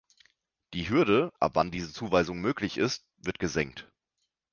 Die Hürde, ab wann diese Zuweisung möglich ist, wird gesenkt.